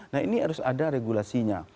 nah ini harus ada regulasinya